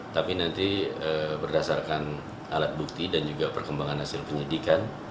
tapi nanti berdasarkan alat bukti dan juga perkembangan hasil penyidikan